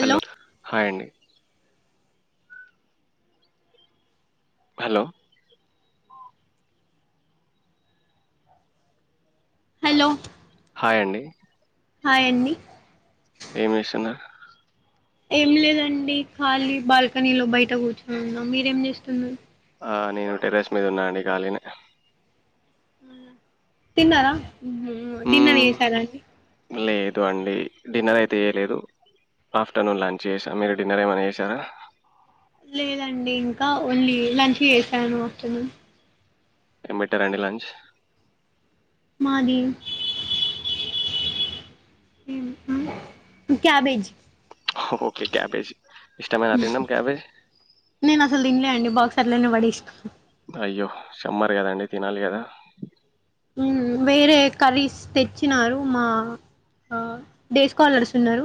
Hello hi అండి hello hello hi అండి హా ఎ ఏంేసిన ఏం లేదండి ఖాళీ బాల్కనీ లో బయట కూర్చొనిన్నాం మీరేం చేస్తున్నారు ఆ నేను టెరెస్ మీద ఉన్నా అండి కలిన్ తిన్నారా డిన్నర్ హ్మ్. వసారాండి లేదు అండి డిన్నర్ అయితే చేయలేదు ఆఫ్టర్నూన్ లంచ్ చేసా మీరు డిన్నర్ ఏమైనా చేసారా లేదండి ఇంకా ఓన్లీ లంచ్ చేశాను అస్తు నను ఏం పెట్టరండి లంచ్ మాది క్యాబేజ్ ఒకే క్యాబేజ్ ఇష్టమ నాత్రండం కబేజ్ నేను అసలు తినలే అండి బాక్స్ [inaudible] అయ్యో సమ్మర్ కదండి తినాలి కదా వేరే కర్రీస్ తెచ్చినారు మా డే స్కాలర్స్ ఉన్నారు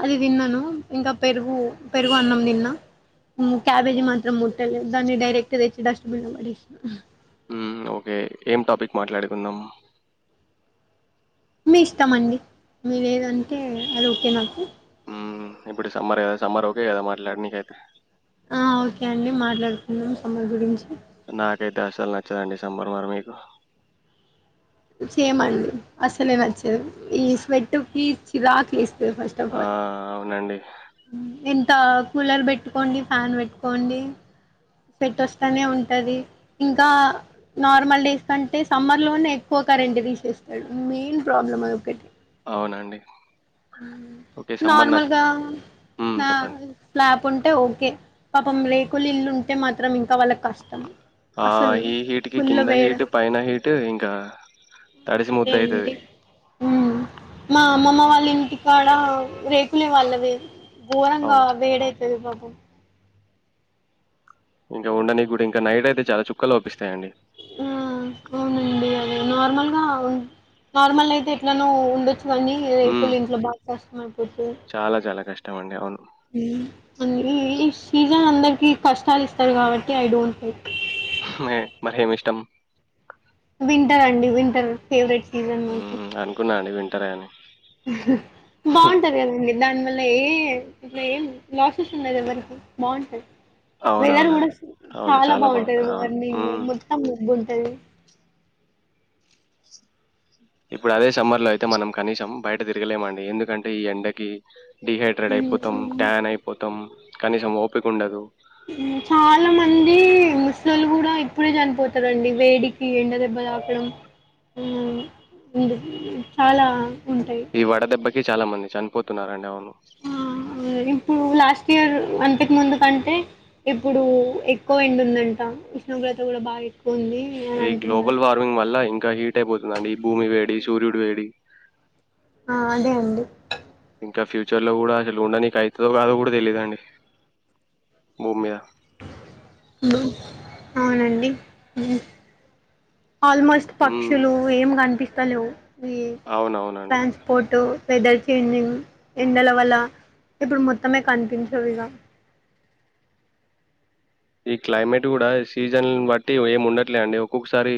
అది తిన్నాను ఇంకా పెరుగు పెరుగు అన్నం తిన్నా క్యాబేజీ మాత్రం ముట్టాలి దాన్ని డైరెక్ట్ తెచ్చి ళ మడి ఓకే ఏం టాపిక్ మాట్లాడుకుందాం మీ ఇష్టమ అండి మీ ఏదంటే అది ఓకే నాకు ఇప్పుడు సమ్మర్ కదా సమ్మర్ ఒకఓకే కదా మాట్లాడి నక అయితే ఆ ఓకే అండి మాట్లాడుతున్నాం సమ్మర్ గురించి నాకైతే అసలు నచ్చదండి సమ్మర్ మరి మీకు సేమ్ అండి అసలే నచ్చది ఈ స్వెట్ కి చిరాకేస్త ఆ అవునండి ఎంత కూలర్ పెట్టుకోండి ఫ్యాన్ పెట్టుకోండి సెట్ వస్తానే ఉంటది ఇంకా నార్మల్ డేస్ కంటే సమ్మర్ లోనే ఎక్కువ కరెంట్ తీసేస్తాడు మెయిన్ ప్రాబ్లమ్ అది ఒకటి అవునండి ఓకే. సమ్మర్ నచ్ నార్మల్గా హ్మ్. నా చెప్పండి. ఫలా ఉంటీ ఓకే పాపం రేకులు ఇల్లు ఉంటే మాత్రం ఇంకా వాళ్ళకి కష్టం ఆ అసలు ఈ హీట్ కి ఫుల్ కింద వేడ హీట్ పైన హీట్ ఇంకా తడిసి అదే ముద్దయితది అండి ఉమ్ మా అమ్మమ్మ వాళ్ళ ఇంటికాడ రేకులే వాళ్ళది బోరంగా అవును వేడ అవుతుది బాబ కు ఇంకా ఉండనికి కూడా ఇంకా నైట్ అయితే చాలా చుక్కలు లో ఒపిస్తాయండి ఆ అవునండి అద నార్మల్గా నార్మల్ అయితే ఎట్లాన ఉండొచ్చు ఇవీ ఉమ్ రేకులు ఇంట్లో బాగాస్తా మ చాలా చాలా కష్టం ష్టమండి అవును అ ఈ సీజన్ అందరికి కష్టాలు ఇస్తారు కాబట్టి ఐ డోంట్ లైక్ మ మర్హేం ఇష్టం వింటర్ అండి వింటర్ ఫేవరెట్ సీజన్ మాకు ఉమ్ అనుకున్నా అండి వింటరే అని బాగుంటది కదండి దాని వల్ల ఏ ఇట్లా ఏం లాసెస్ ఉన్నాది ఎవరికి బాగుంటది వెదర్ కూడా అవునవునండి అవును చాలా బాగుంటది అవును మార్నింగ్ ఉమ్ మొత్తం మబ్బుంటది ఇప్పుడు అదే సమ్మర్ లో అయితే మనం కనీసం బయట తిరగలేమండి ఎందుకంటే ఈ ఎండకి డిహైడ్రేట్ హ్మ్. అయిపోతాం హ్మ్. ట్యాన్ అయిపోతాం కనీసం ఓపిక ఉండదు చాలా మంది ముస్లింలు కూడా ఇప్పుడే చనిపోతారండి వేడికి ఎండ దెబ్బ తాకడం ఆ చాలా ఉంటాయి. ఈ వడ దెబ్బ కే చాలా మంది చనిపోతున్నారండి అవును ఆ! ఇప్పుడు లాస్ట్ ఇయర్ అంతకు ముందు కంటే ఇప్పుడు ఎక్కువ ఎండు ఉందంట విష్ణోగ్రత కూడా బాగా ఉంది అని ఈ గ్లోబల్ అంటున్నారు. వార్మింగ్ వల్ల ఇంకా హీట్ అయిపోతుందండి భూమి వేడి సూర్యుడు వేడి ఆ అదే అండి ఇంకా ఫ్యూచర్లో కూడా అసలు ఉండ నీకు అవుతుందో కాదో కూడా తెలీయదుండి భూమి మీద అవునండి ఆల్మోస్ట్ హ్మ్ పక్షులు ఏమి కనిపి హలో ఈ అవునవునండి. ట్రాన్స్పోర్టు వెదర్ చేంజింగ్ ఎండల వల్ల ఇప్పుడు మొత్తమే కనిపించదు ఇగా ఈ క్లైమేట్ కూడా సీజన్ బట్టి ఏమి ఉండట్లే అండి ఒక్కొక్కసారి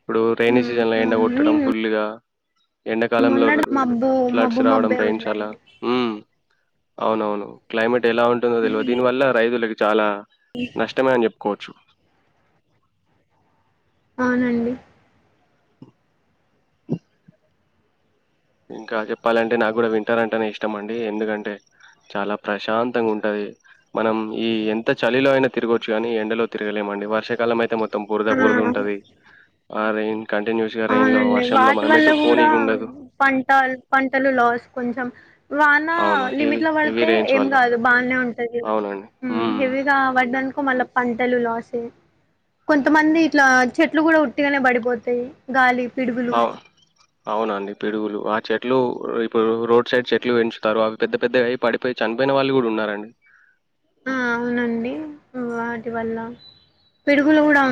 ఇప్పుడు రైైనీ హ్మ్. సీజన్ లో ఎండ అవును. కొట్టడం నిన్ ఫుల్ గా ఎండాకాలంలో మొన్నటిది మబ్బు ఫ్లడ్స్ మబ్బు రావడం మబ్బే రైంచాలా ఉందండి. అవునవును క్లైమేట్ ఎలా ఉంటందో తెలువదీ దీని వల్ల రైతు ల చాలా నష్టమే అని చెప్పుకోవచ్చు అవునండి ఇంకా చెప్పాలంటే నాకు కూడా వింటర్ అంటేనే ఇష్టం అండి ఎందుకంటే చాలా ప్రశాంతంగా ఉంటది మనం ఈ ఎంత చలిలో అయిన తిగవచ్చుగా ఎండలో తిరగలేమండి వర్ష కాలం అయితే మొత్తం బురుదా బురుద ఆ! ఉంటది ఆరం కంటిన్యూస్ గా రెన్ లో అవునండి వర్షంలో వాటి మనం వల్ల ఎటు కూడా పోనీగా ఉండదు పంట పంటలు లాస్ కొంచెం వాన అవును లిమిట్ హెవీ లో హెవీ పడితే రెయిన్స్ ఏం వల్ల కాదు బాగానే ఉంటంది అవునండి. హ్మ్ హెవీగా పడ్డానుకో మళ్ళా పంటలు లాసే కొంతమంది ఇట్లా చెట్లు కూడా ఉట్టిగానే పడిపోతాయి గాలిబ్ అవు అవునండి పిడుగులు ఆ చెట్ ట్లు ఇప్పుడు రోడ్ సైడ్ చెట్లు పెంచుతారు అవి పెద్ద పెద్ద అయి పడిపోయి చనిపోయిన వాళ్ళు కూడా ఉన్నారండి ఆ అవునండి వాటి వల్ల పిడుగులు కూడా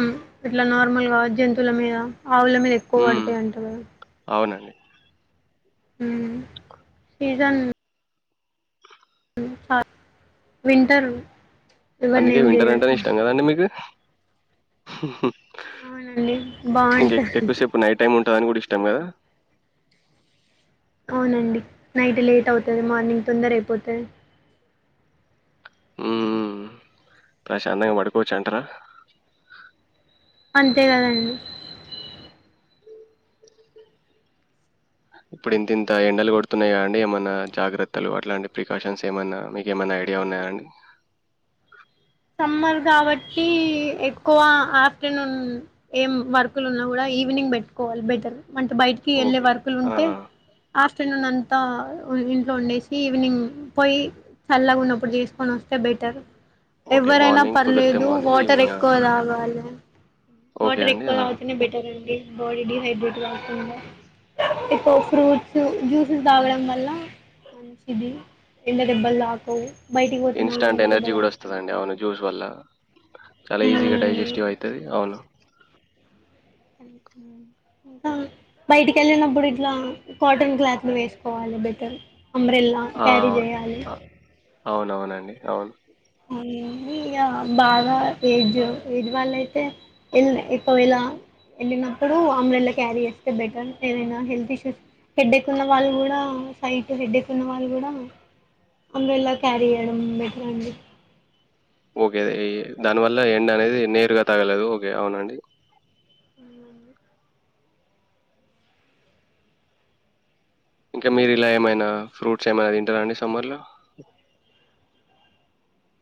ఇట్లా నార్మల్ గా జంతువుల మీద ఆవుల మీద ఎక్కువ హ్మ్ వడుతాయింటాయి కదా అవునండి. హుమ్ సీజన్ స వింటర్ ఇవన్నీ అందుకే ఏం వింటర్ చేయదు అంటేనే ఇష్టం కదండి మీకు. అవునండి బాగుంట టాన్ గూడ ఇష్టం కదా అవునండి నైట్ లేట్ అవుతది మార్నింగ్ తొందర అయిపోతది ఉమ్ ప్రశాంతంగా పడుకోవచ్చు అంటార అంతే కదండి ఇప్పుడు ఇంత ఇంత ఎండలు కొడుతున్నాయా గా అండి ఏమన్నా జాగ్రత్తలు అట్లాంటి ప్రికాషన్స్ ఏమన్నా మీకు ఏమన్నా ఐడియా ఉన్నాయా అండి సమ్మర్ కాబట్టి ఎక్కువ ఆఫ్టర్నూన్ ఏం వర్కులు ఉన్నా కూడా ఈవినింగ్ పెట్టుకోవాలి బెటర్ అంటే బయటికి వెళ్ళే ఓకే. వర్కులు ఆ! ఉంటే ఆఫ్ ఆఫ్టర్నూన్ అంతా ఇంట్లో వండేసి ఈవినింగ్ పోయి చల్లాగా ఉన్నప్పుడు చేసుకొని వస్తే బెటర్ ఓకే. ఎవరైనా మార్నింగ్ కుదిరితే పర్లేదు మార్నింగ్ వాటర్ ఈవినింగ్ ఆ! ఎక్కువ తాగాలే ఓకే వాటర్ అండి. ఎక్కువ ఆ! తాగితేనే బెటర్ అండి బాడీ డిహైడ్రేట్ కాతుండే ఇకు ఫ్రూట్స్ జ్యూస్ లు తాగడం వల్ల మంచిది ఎండ దెబ్బలు తాకవ్ బయటికి పోతే మల్ల ఎండ ఇన్‌స్టాంట్ ఎనర్జీ దెబ్బలు గూడా తాకుతాయి వస్తదండి. అవును జ్యూస్ వల్ల చాలా ఈజీగా డైజెస్టివ్ అవుతది అవును ఇకా బయటికి వెళ్ళినప్పుడు ఇట్లా కాటన్ క్లాత్ లు వేసుకోవాలి బెటర్ అంబ్రెల్లా ఆ! క్యారీ అవును. చేయాలి అ అవునవునండి అవున్ ఏంది ఇగ బాగా ఏజ్ ఏజ్ వాళ్ళ అయితే ఎక్కువేళ వెళ్ళినప్పుడు అంబ్రెల్లా క్యారీ చేస్తే బెటర్ ఏదైనా హెల్త్ ఇష్యూస్ హెడ్ ఎక్ ఉన్న వాళ్ళు కూడా సైట్ హెడేక్ వాళ్ళు కూడా అంబ్రెల్లా క్యారీ చేయడం బెటర్ అండి ఓకే అ దానివల్ల ఎండ అనేది నేరుగా తగలదు ఓకే అవునండి ఇంకా మీరు ఇలా ఏమైనా ఫ్రూట్స్ ఏమైనా తింటారా అండి సమ్మర్ లో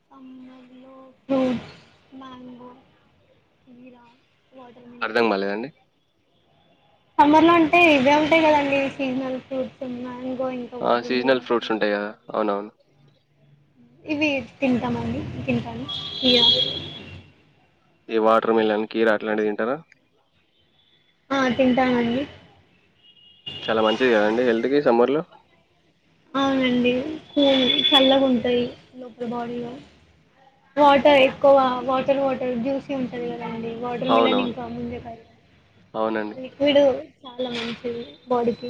సమ్మర్ లో ఫ్రూట్స్ మ్యాంగో జీరా వాట్ అర్ధం కాలేదండి సమ్మర్ లో అంటే ఇవే ఉంటాయి కదండి సీజనల్ ఫ్రూట్స్ మ్యాం ఆ సీజనల్ ఫ్రూట్స్ ఉంటాయి కదా అవునవును ఇవి తింటామండి తింటాను ఇయాలే ఈ వాటర్ మిలన్ కీరా అట్లాంటిది తింటారా ఆ తింటామండి చాలా మంచిది కదండి హెల్త్ కి సమ్మర్ లో అవునండి చల్లగా ఉంటాయి లోపల బాడీలో వాటర్ ఎక్కువ వాటర్ వాటర్ జ్యూసీ ఉంటది కదా కదండి వాటర్ మిలన్ అవునవును. ఇంకా ముందే అవునండి. [unintelligible] లిక్విడు చాలా మంచిది బాడీకి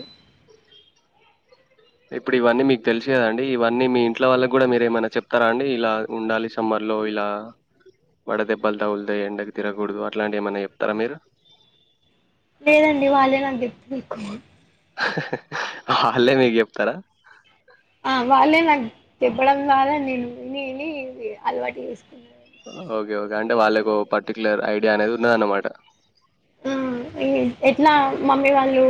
ఇప్పుడు ఇవన్నీ మీకు తెలుసు కదండి ఇవన్నీ మీ ఇంట్ల వాళ్ళకి కూడా మీరు ఏమనన్నా చెప్తారా అండి ఇలా ఉండాలి సమ్మర్లో ఇలా వడ దెబ్బలు తగులుతాయి ఎండకి తిరగకూడదు అట్లాంటివి ఏమైనా చెప్తారా మీరు లేదండి వాళ్ళే నాకు చెప్పుతారు ఎక్కువ హ హ వాళ్ళే మీకు చెప్తారా ఆ వాళ్ళే నాకు చెప్పడం ద్వారా నేను విని విని అలవాటు చేసుకు ఓకే ఓకే అంటే వాళ్ళే పర్టిక్యులర్ ఐడియా అనేది ఉన్నదన్నమాట ఊ ఎ ఎట్లా మమ్మీ వాళ్ళు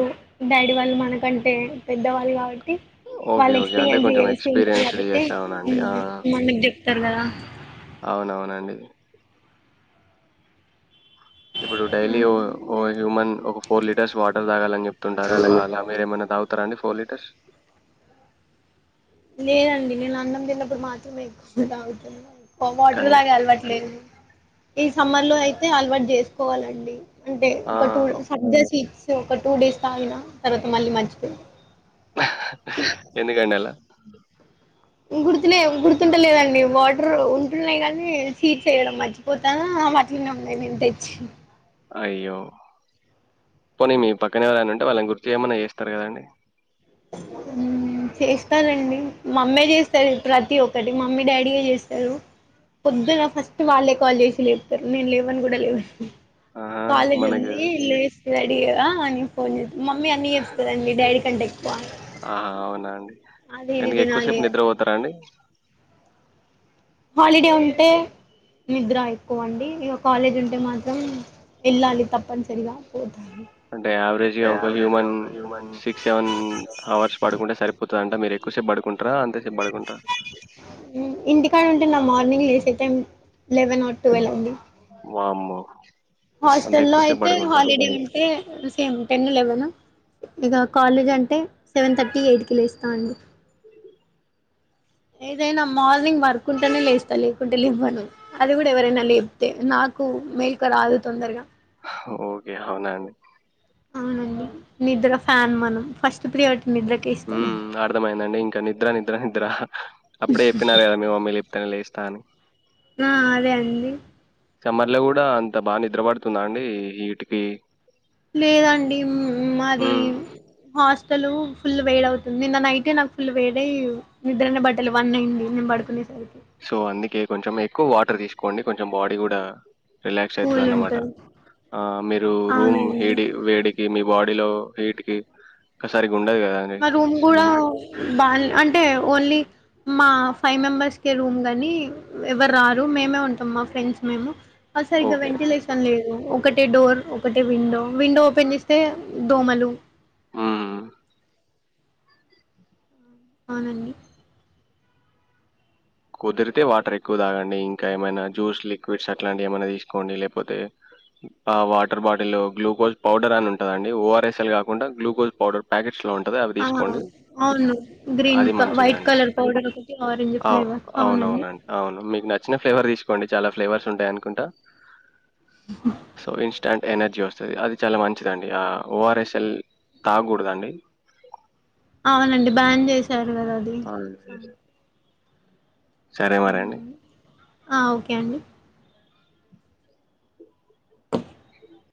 డాడీ వాళ్ళు మనకంటే పెద్దవాళ్ళు కాబట్టి ఓకే. వాళ్ళు ఓకే. అంటే ఎక్స్పీరియన్స్ కొంచెం చేసి ఉంటారు ఎక్స్‌పీరియన్స్‌డ్ కాబట్టి యెస్ అవునండి. ఆ! మనకు చెప్తారు కదా అవునవునండి. ఇప్పుడు డైలీ ఓ హ్యూమన్ ఒక ఫోర్ లీటర్స్ వాటర్ తాగాలని చెప్తుంటారు అలాగే అలా మీరేమైనా తాగు రండి ఫోర్ లీటర్స్ లేదండి నేను అన్నం తిన్నప్పుడు మాత్రమే ఎక్కువ తాగుతున్నా ఓ వాటర్ కానీ తాగే అలవాటు లేదు ఈ సమ్మర్ లో అయితే అలవాటు చేసుకోవాలండి అంటే ఆ! ఒక టూల్ సబ్జా సీడ్స్ ఒక టూ డేస్ తాగిన తర్వాత మళ్ళీ మర్చిపోయిన ఎందుకండి అల గుర్తులే గుర్తుంటలేదండి వాటర్ ఉంటున్నాయి కానీ సీడ్స్ వేయడం మర్చిపోతాన అవి అట్లనే ఉన్నాయి నేను తెచ్చి అయ్యో పోనీ మీ పక్కన ఎవరైనా ఉంటే వాళ్ళని గుర్తు చేయమన్నా చేస్తారు కదండి ఉ చేస్తారండి మమ్మే చేస్తది ప్రతి ఒక్కటి మమ్మీ డాడీ యే చేస్తరు పొద్దున ఫస్ట్ వాళ్ళే కాల్ చేసి లేపుతారు నేను లేవను గూడా లేవ ఆహా! కాలేజ్ మనకి ఉంది లేస్తా రెడి అని ఫోన్ చే మమ్మీ అన్ని చెప్పుతాదండీ డాడీ కంటే బన్ ఆ అవునా అండి ఇది ఎందుకు తినాలి ఎక్కువసేపు అది నిద్రపోతారా అండి హాలిడే ఉంటే నిద్ర ఎక్కువ అండి ఇక కాలేజ్ ఉంటే మాత్రం వెళ్ళాలి తప్పనిసరిగా పో అంటే యావరేజ్ గా ఒక హ్యూమన్ ఒక హ్యూమన్ సిక్స్ సెవెన్ హవర్స్ పడుకుంటే సరిపోతదంట మీరు ఎక్కువసేపు పడుకుం కుంటార అంతే సేపు బడకుంట్రా ంట నా మార్నింగ్ లేసే టైం లెవెన్ ఆర్ ట్వెల్వ్ అండి వామ్మో అంత హాస్టల్లో ఎక్కువ సేపు అయితే పడుకుంటారు. హాలిడే అంటే సేమ్ టెన్ లేవన్ ఇక కాలేజ్ అంటే సెవెన్ థర్టీ ఎయిట్ కి వె లేస్తా అండి ఏదైనా మార్నింగ్ వర్క్ ఉంటేనే లేస్తా లేకుంటే లేవ్వను అది కూడా ఎవరైనా లేపితే నాకు మేలుక రాదు తొందరగా ఓకే అవునండి అవునండి నిద్ర ఫ్యాన్ మనం ఫస్ట్ ప్రియారిటీ నిద్రకే ఊ ఇస్తాను అర్థమయ్యిందండి ఇంక నిద్ర నిద్ర ద్రహ అప్పుడే చెప్పినారు గదా మీ మమ్మీ లేపితేనే లేస్ తాని ఆ అదే అండి సమ్మర్ లో కూడా అంత బా నిద్ర పడుతుందా అండి ఈటికి లేదండి ఉమ్ మాది హాస్టల్ ఫుల్ వేడవుతుంది నిన్న నైటే నాకు ఫుల్ వేడై నిద్రనే బట్టలే వన్ అయ్యింది నేను పడుకునేసరి సో అందుకే కొంచెం ఎక్కువ వాటర్ తీసుకోండి కొంచెం బాడీ కూడా రిలాక్స్ ఐతుది కూల్ అన్నమాట ఉంటది ఆ మీరు రూమ్ అవునండి హేడి వేడికి మీ బాడీ లో హీట్ కి క్కసారి మా రూమ్ కూడా బా అంటే ఓన్లీ మా ఫైవ్ మెంబర్స్ కే రూమ్ గాని ఎవ్వరు రారు మేమే ఉంటాం మా ఫ్రెండ్స్ మేము. ఆ సరిగ్గా ఓకే. వెంటిలేషన్ లేదు ఒకటే డోర్ ఒకటే విండో విండో ఓపెన్ చేస్తే దోమలు హ్మ్. అవునండి కుదిరితే వాటర్ ఎక్కువ తాగండి, ఇంకా ఏమైనా జ్యూస్ లిక్విడ్స్ అట్లాంటివి ఏమైనా తీసుకోండి, లేకపోతే ఆ వాటర్ బాటిల్ గ్లూకోజ్ పౌడర్ అని ఉంటదండి ఓఆర్ఎస్ఎల్ కాకుండా గ్లూకోజ్ పౌడర్ ప్యాకెట్, ఆ అవును గ్రీన్ అది క మంచిదే వైట్ కలర్ పౌడర్కటి ఆరెంజ్ ఫ్లేవర్ అవును అవునండి. ఆవునండి అవును మీకు నచ్చిన ఫ్లేవర్ తీసుకోండి చాలా ఫ్లేవర్స్ ఉంటాయి అనుకుంటా సో ఇన్స్ టాంట్ ఎనర్జీ వస్తది అది చాలా మంచిద అండి ఆ ఓఆర్ఎస్ఎల్ తాగకూడదండి. అవునండి బ్యాన్ చేశారు గదా! అది. అవునులే వేరే మ్మ్ ఆ ఓకే అండి